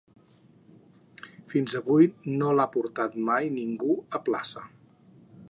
Fins avui no l'ha portat mai ningú a plaça.